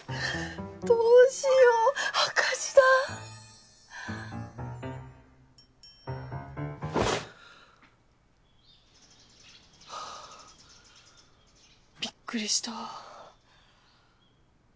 どうしよう赤字だ！ハァびっくりした。